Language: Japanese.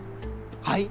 はい？